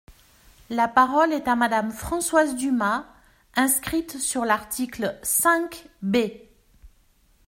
La parole est à Madame Françoise Dumas, inscrite sur l’article cinq B.